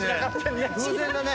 偶然だね。